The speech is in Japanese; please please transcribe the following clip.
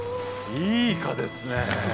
いいイカですね。